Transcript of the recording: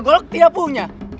golok tidak punya